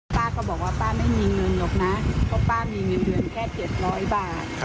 ป้าก็บอกว่าป้าไม่มีเงินหรอกนะเพราะป้ามีเงินเดือนแค่๗๐๐บาท